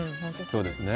そうですね。